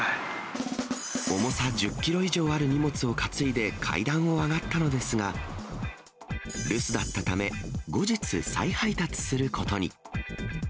重さ１０キロ以上ある荷物を担いで階段を上がったのですが、留守だったため、後日、再配達することに。